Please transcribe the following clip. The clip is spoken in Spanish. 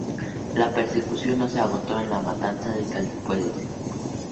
La persecución no se agotó en la matanza de Salsipuedes.